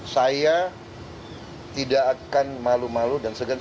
saya tidak akan malu malu dan segan